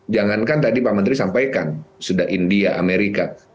jangankan tadi pak menteri sampaikan sudah india amerika